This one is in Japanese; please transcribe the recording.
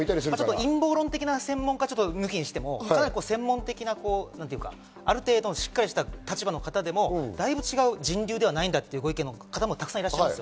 陰謀論的な専門家は抜きにして、ある程度しっかりした立場の方でも人流ではないんだというご意見の方もたくさんいらっしゃいます。